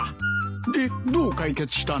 でどう解決したんだ？